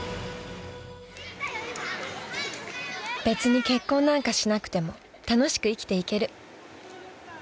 ［別に結婚なんかしなくても楽しく生きていける］